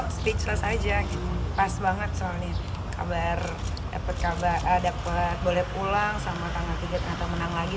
dapat kabar boleh pulang sama tanggal tiga atau menang lagi